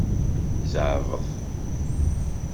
Zeɛbeḍ.